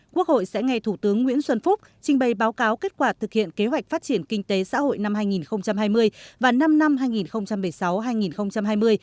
quốc hội sẽ nghe thủ tướng nguyễn xuân phúc trình bày báo cáo kết quả thực hiện kế hoạch phát triển kinh tế xã hội năm hai nghìn hai mươi và năm năm hai nghìn một mươi sáu hai nghìn hai mươi